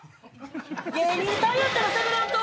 芸人さんやったらしゃべらんと！